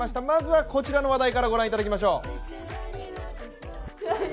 まずはこちらの話題からご覧いただきましょう。